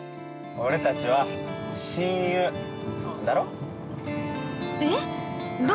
◆俺たちは親友、だろ？